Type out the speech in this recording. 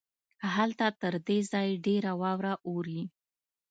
هلته تر دې ځای ډېره واوره اوري.